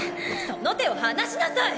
その手を離しなさい！！